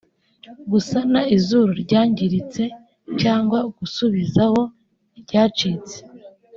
gusana izuru ryangiritse cyangwa gusubizaho iryacitse